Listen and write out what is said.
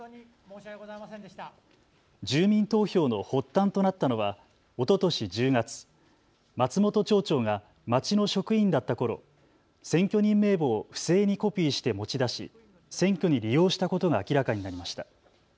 住民投票の発端となったのはおととし１０月、松本町長が町の職員だったころ、選挙人名簿を不正にコピーして持ち出し選挙に利用したことが明らかになりました。